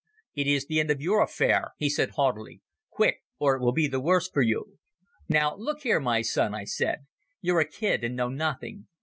"It is the end of your affair," he said haughtily. "Quick, or it will be the worse for you." "Now, look here, my son," I said; "you're a kid and know nothing.